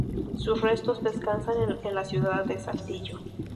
Sus restos descansan en la ciudad de Saltillo.